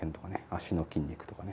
足の筋肉とかね。